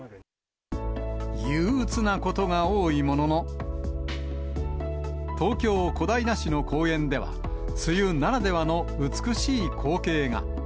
憂うつなことが多いものの、東京・小平市の公園では、梅雨ならではの美しい光景が。